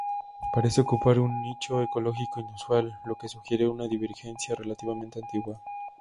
Parece ocupar un nicho ecológico inusual, lo que sugiere una divergencia relativamente antigua.